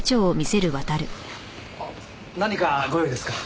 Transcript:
何かご用ですか？